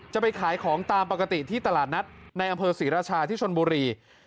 จะไปขายของตามปกติที่ตลาดนัดในอำเภอศรีราชาที่ชนบุรี